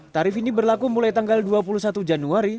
tarif ini berlaku mulai tanggal dua puluh satu januari